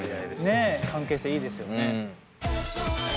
ねえ関係性いいですよね。